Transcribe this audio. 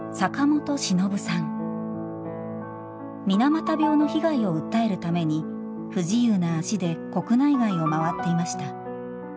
水俣病の被害を訴えるために不自由な足で国内外を回っていました。